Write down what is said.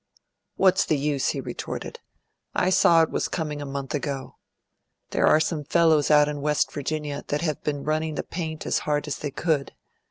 "What's the use?" he retorted. "I saw it was coming a month ago. There are some fellows out in West Virginia that have been running the paint as hard as they could.